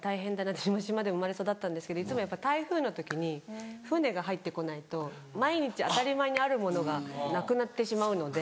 私も島で生まれ育ったんですけどいつもやっぱ台風の時に船が入って来ないと毎日当たり前にあるものがなくなってしまうので。